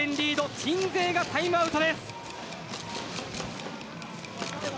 鎮西がタイムアウトです。